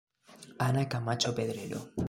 Ana Camacho Pedrero.